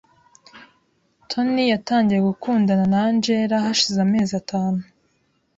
Tony yatangiye gukundana na Angela hashize amezi atanu .